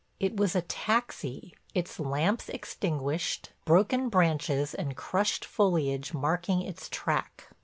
It was a taxi, its lamps extinguished, broken branches and crushed foliage marking its track.